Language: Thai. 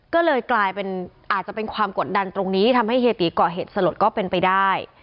ก็เลยกลายเป็นอาจจะเป็นความกดดันตรงนี้ทำให้เฮียตีก่อเหตุสลดก็เป็นไปได้